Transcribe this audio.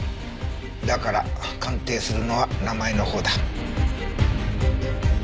だから鑑定するのは名前のほうだ。